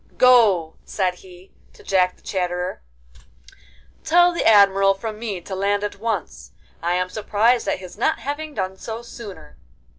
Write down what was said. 'Go,' said he, to Jack the Chatterer, 'tell the Admiral from me to land at once. I am surprised at his not having done so sooner.